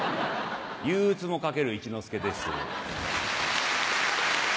「憂鬱」も書ける一之輔です。